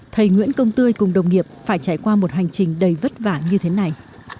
thầy nguyễn công tươi cùng đồng nghiệp phải trải qua một hành trình đầy vất vả như thế này